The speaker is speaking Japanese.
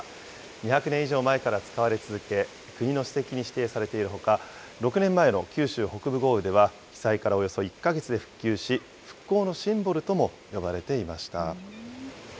２００年以上前から使われ続け、国の史跡に指定されているほか、６年前の九州北部豪雨では、被災からおよそ１か月で復旧し、復興のシンボルとも呼ばれていました。